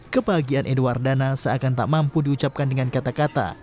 kebahagiaan edo wardana seakan tak mampu diucapkan dengan kata kata